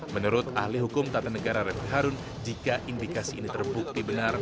menurut ahli hukum tata negara refli harun jika indikasi ini terbukti benar